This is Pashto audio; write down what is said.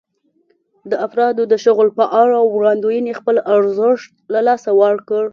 د افرادو د شغل په اړه وړاندوېنې خپل ارزښت له لاسه ورکړ.